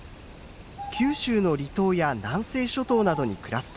九州の離島や南西諸島などに暮らす鳥です。